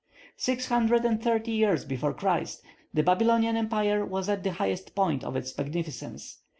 Six hundred and thirty years before Christ, the Babylonian empire was at the highest point of its magnificence.